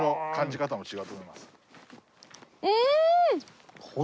うん！